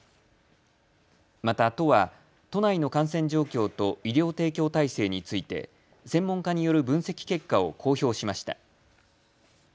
また都は都内の感染状況と医療提供体制について専門家による分析結果を公表しました。